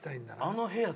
「あの部屋」。